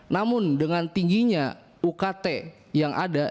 namun dengan tingginya ukt yang ada